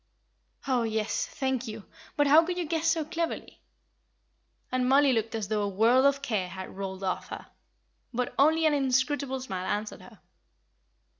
"Oh, yes. Thank you; but how could you guess so cleverly?" and Mollie looked as though a world of care had rolled off her. But only an inscrutable smile answered her.